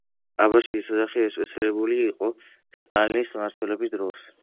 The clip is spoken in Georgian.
აბაშიძის ოჯახი რეპრესირებული იყო სტალინის მმართველობის დროს.